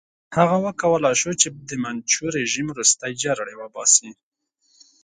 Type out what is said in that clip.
هغه وکولای شو چې د منچو رژیم ورستۍ جرړې وباسي.